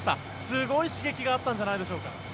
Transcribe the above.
すごい刺激があったんじゃないでしょうか？